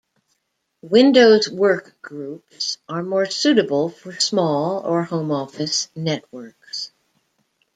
Windows Workgroups are more suitable for small or home-office networks.